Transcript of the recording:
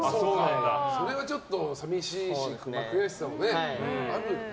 それはちょっと寂しいし悔しさもあるよね。